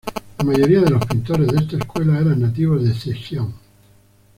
La mayoría de los pintores de esta escuela eran nativos de Zhejiang.